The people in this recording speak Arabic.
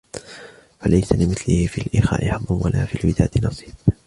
فَلَيْسَ لِمِثْلِهِ فِي الْإِخَاءِ حَظٌّ وَلَا فِي الْوِدَادِ نَصِيبٌ